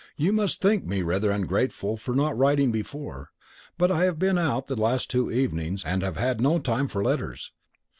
You must think me rather ungrateful not writing before, but I have been out the last two evenings and have had no time for letters.